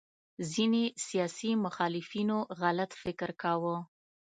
ځینې سیاسي مخالفینو غلط فکر کاوه